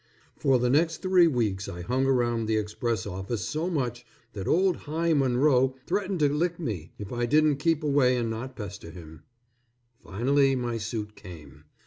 For the next three weeks I hung around the express office so much that old Hi Monroe threatened to lick me if I didn't keep away and not pester him. Finally my suit came.